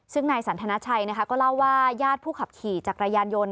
ซึ่งนายสันทนาชัยนะคะก็เล่าว่าญาติผู้ขับขี่จักรยานยนต์